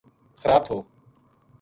خراب تھو